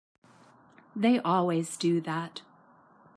They always do that.